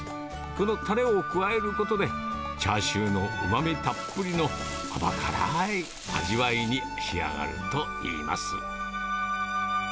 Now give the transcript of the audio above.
このたれを加えることで、チャーシューのうまみたっぷりの甘辛い味わいに仕上がるといいます。